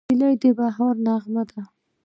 هیلۍ د بهار نغمه ده